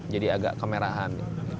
jadi agak kemerahan